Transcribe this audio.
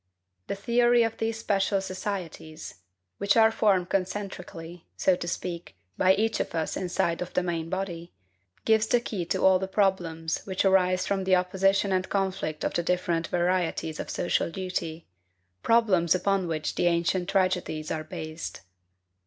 The theory of these special societies which are formed concentrically, so to speak, by each of us inside of the main body gives the key to all the problems which arise from the opposition and conflict of the different varieties of social duty, problems upon which the ancient tragedies are based.